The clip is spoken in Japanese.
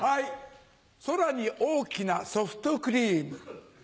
空に大きなソフトクリーム。